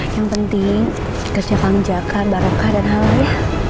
yang penting kerja kang jaka barakah dan halal ya